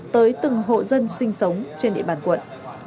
tới từng hộ dân sinh sống trên địa bàn quận